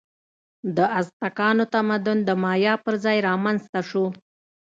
د ازتکانو تمدن د مایا پر ځای رامنځته شو.